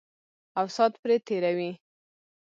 او سات پرې تېروي.